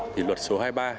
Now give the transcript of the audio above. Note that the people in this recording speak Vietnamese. thì luật số hai mươi ba